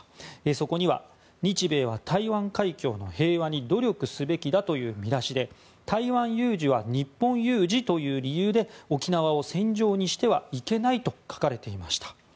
そこには日米は台湾海峡の平和に努力すべきだという見出しで台湾有事は日本有事という理由で沖縄を戦場にしてはいけないと書かれていました。